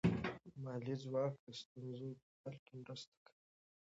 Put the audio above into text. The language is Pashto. مالي ځواک د ستونزو په حل کې مرسته کوي.